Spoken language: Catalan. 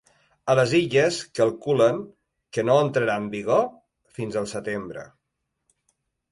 A les Illes calculen que no entrarà en vigor fins al setembre.